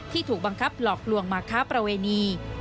ถูกบังคับหลอกลวงมาค้าประเวณี